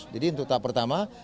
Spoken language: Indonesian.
jadi untuk tahap pertama